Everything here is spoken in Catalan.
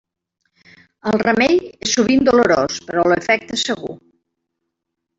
El remei és sovint dolorós, però l'efecte és segur.